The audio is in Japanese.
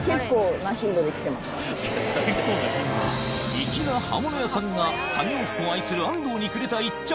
粋な刃物屋さんが作業服を愛する安藤にくれた一着